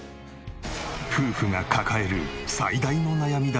夫婦が抱える最大の悩みだという。